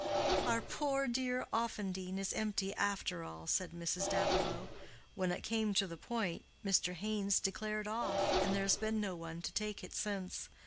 "Our poor dear Offendene is empty after all," said Mrs. Davilow. "When it came to the point, Mr. Haynes declared off, and there has been no one to take it since.